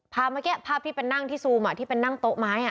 ภาพเมื่อกี้ภาพที่เป็นนั่งที่ซูมที่เป็นนั่งโต๊ะไม้